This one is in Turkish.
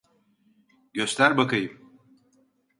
Göster bakayım.